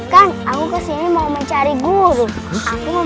kan aku kesini mau mencari guru